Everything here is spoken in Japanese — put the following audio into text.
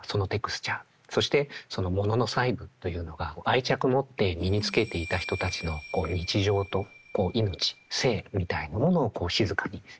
そしてそのモノの細部というのが愛着持って身につけていた人たちの日常と命生みたいなものを静かによみがえらす。